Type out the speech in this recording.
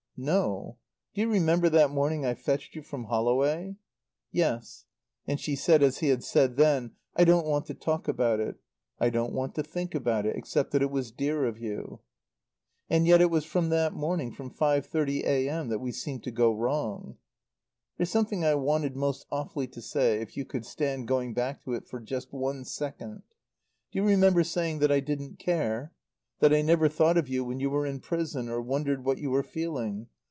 "No. Do you remember that morning I fetched you from Holloway? "Yes." And she said as he had said then, "I don't want to talk about it. I don't want to think about it except that it was dear of you." "And yet it was from that morning from five thirty a.m. that we seemed to go wrong. "There's something I wanted most awfully to say, if you could stand going back to it for just one second. Do you remember saying that I didn't care? That I never thought of you when you were in prison or wondered what you were feeling?